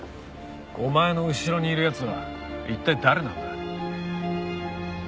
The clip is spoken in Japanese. お前の後ろにいる奴は一体誰なんだ？